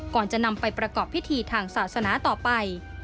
ก่อนจะนำไปประกอบพิธีทางศาสนาต่อไป